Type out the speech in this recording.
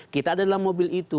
kita ada dalam mobil itu